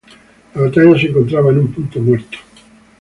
La batalla se encontraba en un punto muerto.